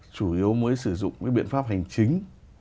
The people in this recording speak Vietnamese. chủ yếu mới sử dụng cái biện pháp hành chính